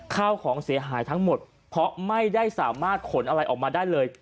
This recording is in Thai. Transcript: ข้าวของเสียหายทั้งหมดเพราะไม่ได้สามารถขนอะไรออกมาได้เลย